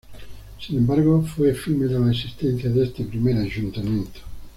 Sin embargo, fue efímera la existencia de este primer ayuntamiento.